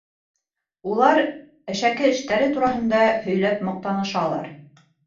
Улар әшәке эштәре тураһында һөйләп маҡтанышалар.